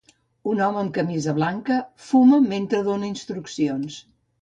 Un home amb camisa blanca fuma mentre dóna instruccions.